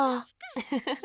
ウフフフ。